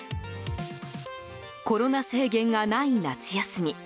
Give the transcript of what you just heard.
コロナ制限がない夏休み。